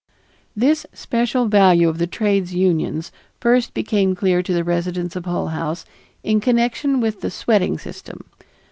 This special value of the trades unions first became clear to the residents of Hull House in connection with the sweating system.